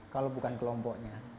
kalau bukan kelompoknya